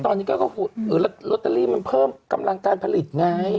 ตอนนี้ก็คือลอตเตอรี่มันเพิ่มกำลังการผลิตไง